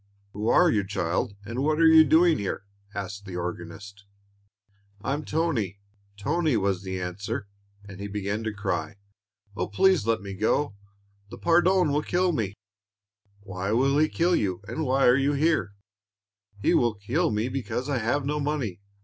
"Who are you, child, and what are you doing here?" asked the organist. "I'm Toni, Toni," was the answer, and he began to cry. "Oh, please let me go: the Padrone will kill me." "Why will he kill you, and why are you here?" "He will kill me because I have no money.